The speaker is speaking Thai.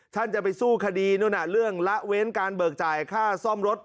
ท่านจะไปสู้คดีนู่นน่ะเรื่องละเว้นการเบิกจ่ายค่าซ่อมรถ